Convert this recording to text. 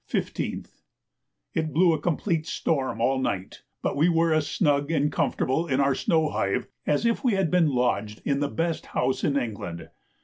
It blew a complete storm all night, but we were as snug and comfortable, in our snow hive, as if we had been lodged in the best house in England.